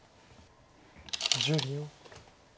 １０秒。